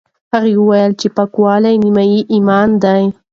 هغه وویل چې پاکوالی نیم ایمان دی.